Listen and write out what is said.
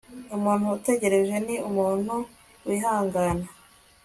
umuntu utegereje ni umuntu wihangana